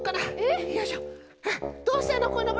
どうしたの？